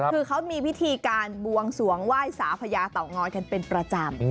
คือเขามีพิธีการบวงสวงไหว้สาพญาเต่างอยกันเป็นประจำ